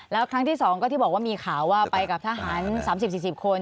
แล้วครั้งที่๒ก็ที่บอกว่ามีข่าวว่าไปกับทหาร๓๐๔๐คน